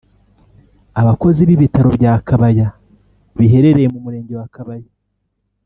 Abakozi bIbitaro bya Kabaya biherereye mu murenge wa Kabaya